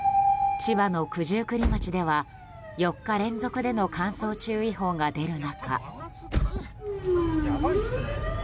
千葉の九十九里町では４日連続での乾燥注意報が出る中。